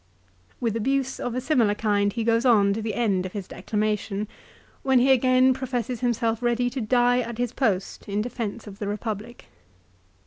" "With abuse of a similar kind he goes on to the end of his declamation, when he again professes himself ready to die at his post in defence of the Republic.